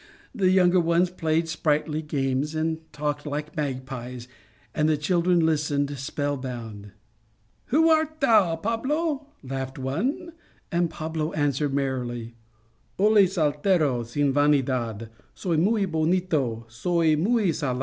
The younger ones played sprightly games and talked like magpies, and the children listened spell bound. " Who art thou, Pablo ?" laughed one, and Pablo answered, merrily :" Ole Saltero, sin vanidad, Soy muy bonito, soy muy salado!